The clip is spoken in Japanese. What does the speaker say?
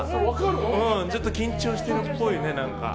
ちょっと緊張してるっぽいね。